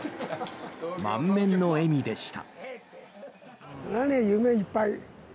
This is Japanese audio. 満面の笑みでした。